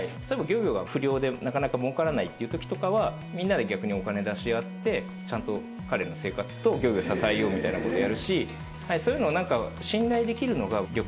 例えば漁業が不漁でなかなかもうからないっていうときとかはみんなで逆にお金出し合ってちゃんと彼の生活と漁業支えようみたいなことやるしそういうの何か。